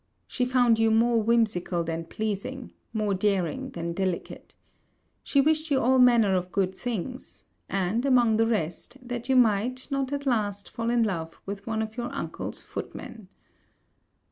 She found you more whimsical than pleasing; more daring than delicate. She wished you all manner of good things; and, among the rest, that you might not at last fall in love with one of your uncle's footmen.